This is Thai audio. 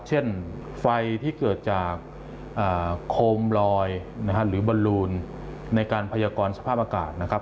เช่นไฟที่เกิดจากโคมลอยหรือบอลลูนในการพยากรสภาพอากาศนะครับ